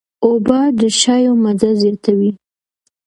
اوبه د چايو مزه زیاتوي.